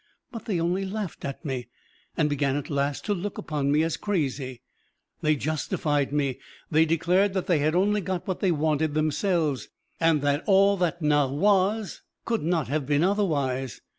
But they only laughed at me, and began at last to look upon me as crazy. They justified me, they declared that they had only got what they wanted themselves, and that all that now was could not have been otherwise.